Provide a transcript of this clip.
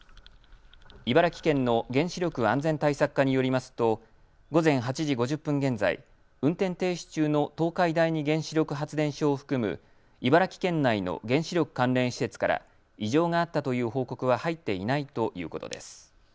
茨城県の原子力安全対策課によりますと午前８時５０分現在運転停止中の東海第二原子力発電所を含む茨城県内の原子力関連施設から異常があったという報告は入っていないということです。